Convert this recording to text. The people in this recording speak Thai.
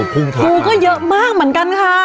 กูก็เยอะมากเหมือนกันค่ะ